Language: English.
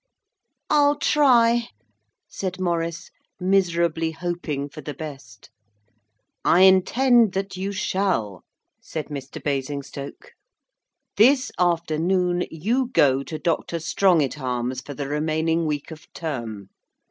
'I'll try,' said Maurice, miserably hoping for the best. 'I intend that you shall,' said Mr. Basingstoke. 'This afternoon you go to Dr. Strongitharm's for the remaining week of term.